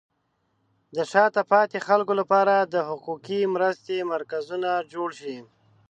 د شاته پاتې خلکو لپاره د حقوقي مرستې مرکزونه جوړ شي.